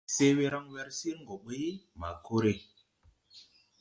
Se we raŋ wer sir gɔ ɓuy, ma kore.